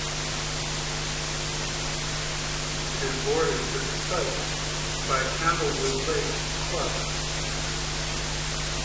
It is bordered to the south by Candlewood Lake Club.